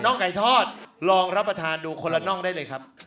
ไก่ทอดลองรับประทานดูคนละน่องได้เลยครับ